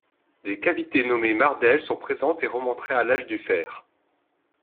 Des cavités nommées mardelles sont présentes et remonteraient à l'âge du fer.